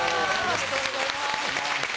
ありがとうございます。